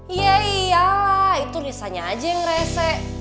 iya iyalah itu risa aja yang rese